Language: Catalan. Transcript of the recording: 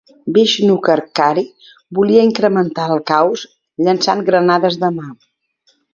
Vishnu Karkare volia incrementar el caos llançant granades de mà.